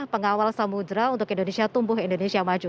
pengawal samudera untuk indonesia tumbuh indonesia maju